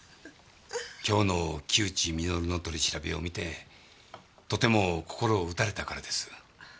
今日の木内稔の取り調べを見てとても心を打たれたからです。